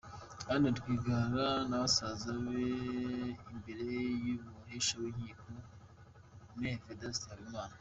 Anne Rwigara na basaza be imbere y’umuhesha w’inkiko Me Vedaste Habimana.